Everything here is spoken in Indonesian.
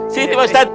sini pak ustad